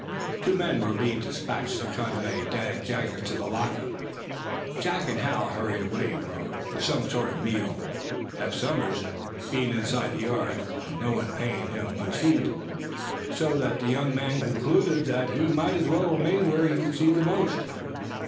Two men being dispatched to convey Dan Jaggers to the lock up, Jack and Hal hurried away for some sort of a meal. Eph Somers, being inside the yard, and no one paying him any heed, that young man concluded that he might as well remain where he could see the most.